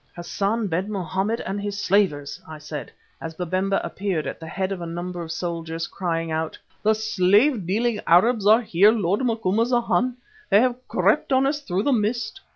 "Hassan ben Mohammed and his slavers!" I said, as Babemba appeared at the head of a number of soldiers, crying out: "The slave dealing Arabs are here, lord Macumazana. They have crept on us through the mist.